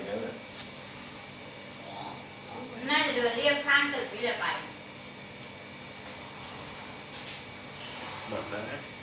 หมดแล้วนะ